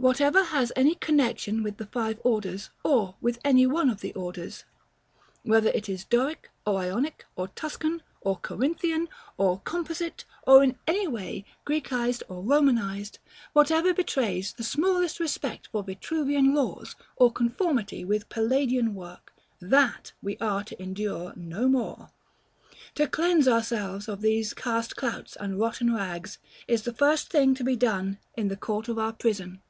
Whatever has any connexion with the five orders, or with any one of the orders, whatever is Doric, or Ionic, or Tuscan, or Corinthian, or Composite, or in any way Grecized or Romanized; whatever betrays the smallest respect for Vitruvian laws, or conformity with Palladian work, that we are to endure no more. To cleanse ourselves of these "cast clouts and rotten rags" is the first thing to be done in the court of our prison.